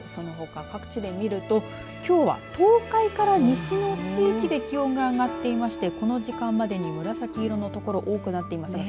そして、そのほか各地で見るときょうは東海から西の地域で気温が上がっていましてこの時間までに紫色の所多くなっています。